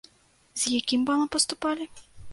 З якім балам паступалі?